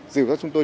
dìu cho chúng tôi